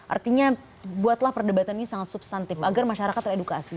artinya buatlah perdebatannya sangat substantif agar masyarakat teredukasi